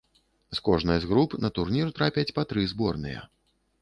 З кожнай з груп на турнір трапяць па тры зборныя.